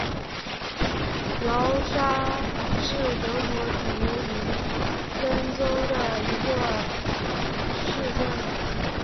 劳沙是德国图林根州的一个市镇。